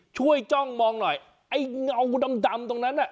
จ้องมองหน่อยไอ้เงาดำตรงนั้นน่ะ